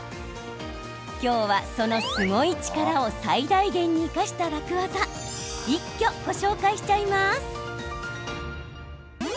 今日は、そのすごい力を最大限に生かした楽ワザ一挙ご紹介しちゃいます。